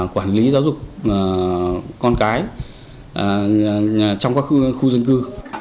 quản lý giáo dục con cái trong các khu dân cư